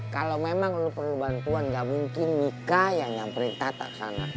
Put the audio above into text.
kalo memang lo perlu bantuan gak mungkin mika yang nyamperin tata kesana